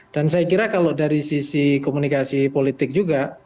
dan saya kira kalau dari sisi komunikasi politik juga